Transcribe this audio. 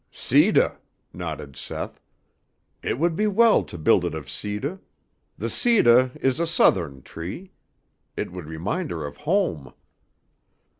"Cedah," nodded Seth. "It would be well to build it of cedah. The cedah is a Southern tree. It would remind her of home.